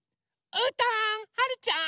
うーたんはるちゃん！